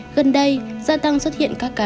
gần đây gia tăng xuất hiện các ca